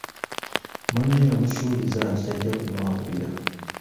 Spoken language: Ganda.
Munne yamusuubiza nti tajja kumwabulira.